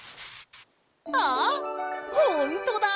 あっほんとだ！